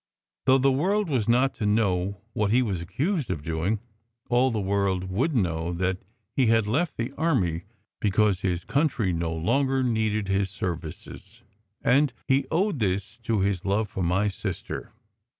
Though the world was not to know what he was accused of doing, all the world would know that he had left the army because his country no longer needed his services. And he owed this to his love for my sister